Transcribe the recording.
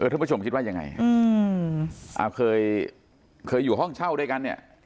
ท่านผู้ชมคิดว่ายังไงเคยอยู่ห้องเช่าด้วยกันเนี่ย